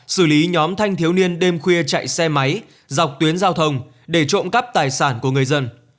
xử lý nhóm thanh thiếu niên đêm khuya chạy xe máy dọc tuyến giao thông để trộm cắp tài sản của người dân